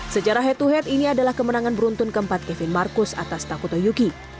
secara head to head ini adalah kemenangan beruntun keempat kevin marcus atas takuto yuki